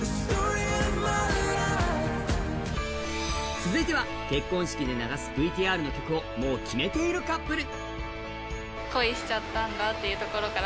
続いては結婚式で流すＶＴＲの曲をもう決めているカップル。